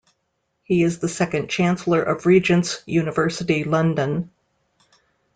He is the second Chancellor of Regent's University London.